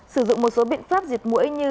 sử dụng một số biện pháp diệt mũi như